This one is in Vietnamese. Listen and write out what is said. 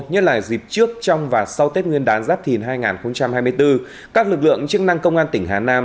như là dịp trước trong và sau tết nguyên đán giáp thìn hai nghìn hai mươi bốn các lực lượng chức năng công an tỉnh hà nam